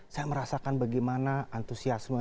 saya merasakan bagaimana antusiasme